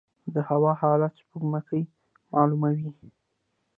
د هوا حالات سپوږمکۍ معلوموي